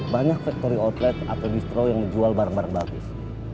banyak factory outlet atau distro yang menjual barang barang bagus